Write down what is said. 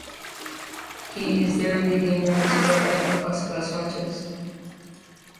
He is their leading run scorer in first-class matches.